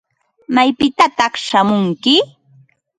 ¿Maypitataq shamunki?